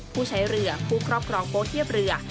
ผู้ใช้เรือผู้ครอบครองโป๊เทียบเรือ